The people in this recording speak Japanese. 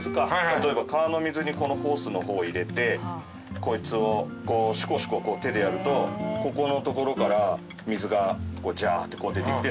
例えば川の水にこのホースの方入れてこいつをこうシコシコ手でやるとここのところから水がジャーって出てきて。